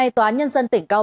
tòa án nhân dân tỉnh cao bà